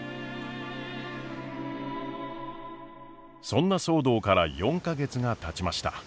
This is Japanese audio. そんな騒動から４か月がたちました。